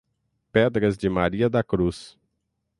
Pedras de Maria da Cruz